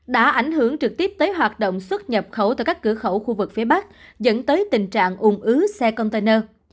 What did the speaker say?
đã ảnh hưởng trực tiếp tới hoạt động xuất nhập khẩu từ các cửa khẩu khu vực phía bắc dẫn tới tình trạng ủng ứ xe container